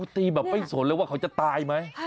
อตรีแบบป้ิ้งสนเลยว่าเขาจะตายไหม